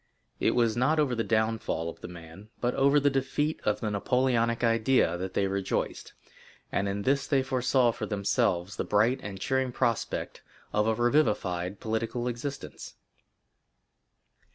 It was not over the downfall of the man, but over the defeat of the Napoleonic idea, that they rejoiced, and in this they foresaw for themselves the bright and cheering prospect of a revivified political existence.